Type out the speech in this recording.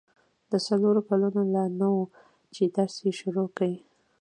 د څلورو کالو لا نه وه چي درس يې شروع کی.